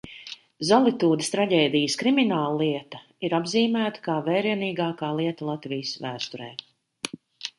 Zolitūdes traģēdijas krimināllieta ir apzīmēta kā vērienīgākā lieta Latvijas vēsturē.